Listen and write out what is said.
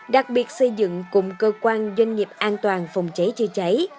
đặc biệt xây dựng cùng cơ quan doanh nghiệp an toàn phòng cháy chữa cháy